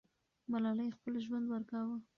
ملالۍ خپل ژوند ورکاوه.